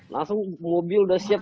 langsung mobil udah siap